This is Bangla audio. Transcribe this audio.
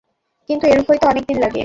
কিন্তু এরূপ হইতে অনেক দিন লাগে।